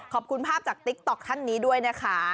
ขอบคุณภาพจากติ๊กต๊อกท่านนี้ด้วยนะคะ